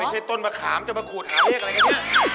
ไม่ใช่ต้นมะขามจะมาขุดถามเรียกอะไรมากันนี่